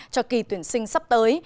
cho kỳ tuyển sinh sắp tới